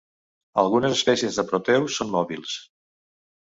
Algunes espècies de proteus són mòbils.